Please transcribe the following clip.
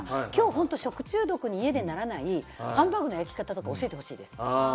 きょう本当、食中毒に家でならないハンバーグの焼き方とか教えてほしいです。